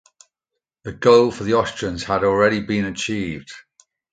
The goal for the Austrians had already been achieved.